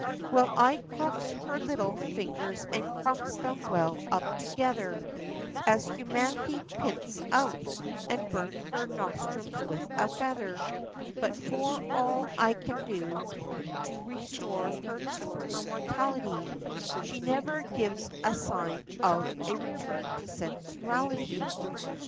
Well, I crooks her little fingers, and crumps them well up together, As humanity pints out, and burnt her nostrums with a feather; But for all as I can do, to restore her to her mortality, She never gives a sign of a return to sensuality.